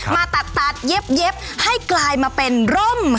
มาตัดเย็บให้กลายมาเป็นร่ม